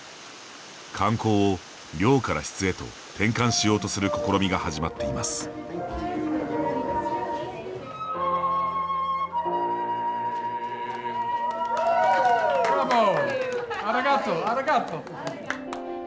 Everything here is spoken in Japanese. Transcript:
観光を量から質へと転換しようとする試みが始まっています。ブラボー、アリガト、アリガト。